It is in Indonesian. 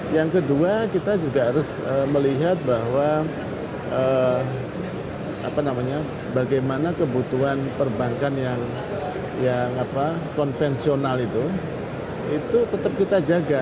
yang kedua kita juga harus melihat bahwa bagaimana kebutuhan perbankan yang konvensional itu itu tetap kita jaga